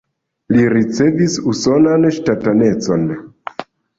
Li ricevis usonan ŝtatanecon.